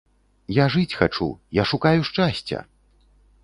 Я жыць хачу, я шукаю шчасця!